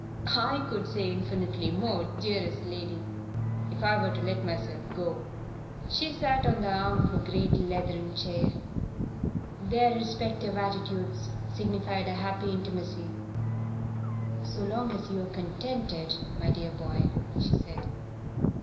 "I could say infinitely more, dearest lady, if I were to let myself go." She sat on the arm of a great leathern chair. Their respective attitudes signified a happy intimacy. "So long as you're contented, my dear boy " she said.